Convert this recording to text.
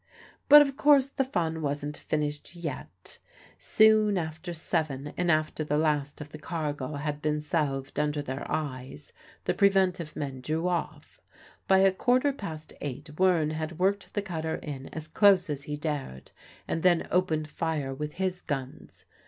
But, of course, the fun wasn't finished yet. Soon after seven, and after the last of the cargo had been salved under their eyes, the preventive men drew off. By a quarter past eight Wearne had worked the cutter in as close as he dared, and then opened fire with his guns.